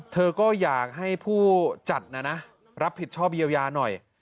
เธอก็อยากให้ผู้จัดนะนะรับผิดชอบเยียวยาหน่อย